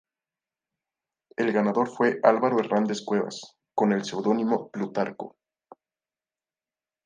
El ganador fue Álvaro Hernández Cuevas con el seudónimo "Plutarco".